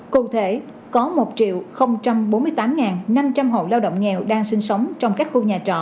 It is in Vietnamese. cụ thể có một bốn mươi tám năm trăm linh hộ lao động nghèo đang sinh sống trong các khu nhà trọ